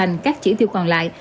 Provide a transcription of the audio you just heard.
hoàn thành các chỉ tiêu còn lại